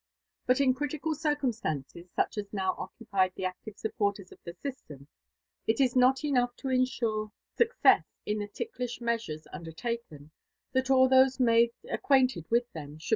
But in critical circumstances, such as'now oc cupied the active supporters of the system, it is not enough to ensure m LIFE AND ADVBNTURBS OF ill the tieklifth measoret undertakea, that M thoas madd quainted with them should.